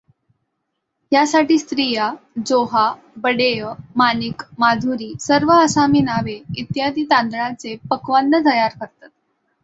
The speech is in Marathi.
यासाठी स्त्रिया जोहा, बडेअ, मानिक मधुरी सर्व असामी नावे इत्यादी तांदळाचे पक्वान्न तयार करतात.